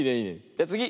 じゃつぎ。